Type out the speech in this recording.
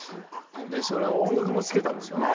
音楽もつけたんですよね。